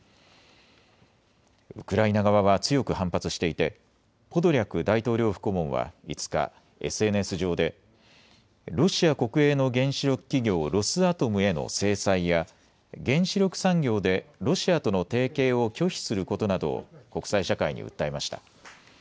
ウクライナ側は強く反発していてポドリャク大統領府顧問は５日、ＳＮＳ上でロシア国営の原子力企業ロスアトムへの制裁や原子力産業でロシアとの提携を拒否することなどを国際社会に訴えました。